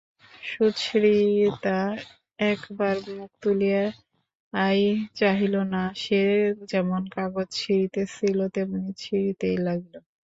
সুচরিতা একবার মুখ তুলিয়াও চাহিল না, সে যেমন কাগজ ছিঁড়িতেছিল তেমনি ছিঁড়িতেই লাগিল।